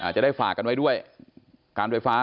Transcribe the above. จะได้ฝากกันไว้ด้วยการไฟฟ้า